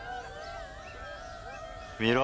見ろ。